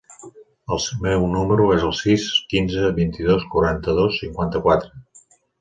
El meu número es el sis, quinze, vint-i-dos, quaranta-dos, cinquanta-quatre.